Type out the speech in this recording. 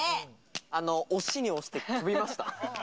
押しに押して飛びました。